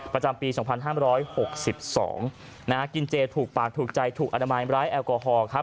ประจำปี๒๕๖๒กินเจถูกปากถูกใจถูกอนามัยร้ายแอลกอฮอล์ครับ